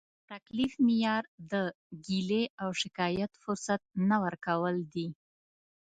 د تکلیف معیار د ګیلې او شکایت فرصت نه ورکول دي.